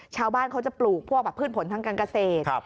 ชาวบ้านเขาจะปลูกพวกพืชผลทางการเกษตร